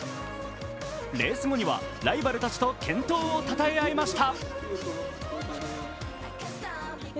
レース後にはライバルたちと健闘をたたえ合いました。